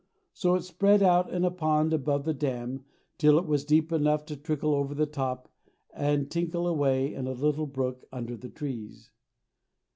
So it spread out in a pond above the dam till it was deep enough to trickle over the top and tinkle away in a little brook under the trees.